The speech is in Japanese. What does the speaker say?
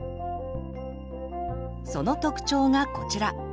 その特徴がこちら。